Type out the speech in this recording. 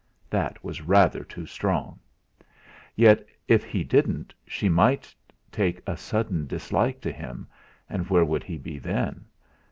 That was rather too strong! Yet, if he didn't she might take a sudden dislike to him, and where would he be then?